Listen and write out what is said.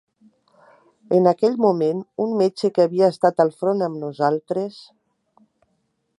En aquell moment, un metge que havia estat al front amb nosaltres...